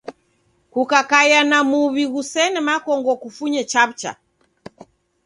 Kukakaia na muw'i ghusene makongo kufunye chaw'ucha.